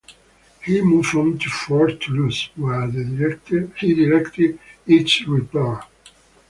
He moved on to Fort Toulouse, where he directed its repair.